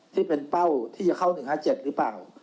ที่เป็นเป้าที่จะเข้า๑๕๗หรือเปล่า